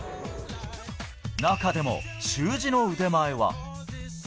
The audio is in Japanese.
中でも、習字の腕前は。